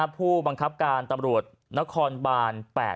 ผู้บังคับการตำรวจนครบาน๘